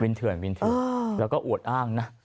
วินเทือนแล้วก็อวดอ้างนะ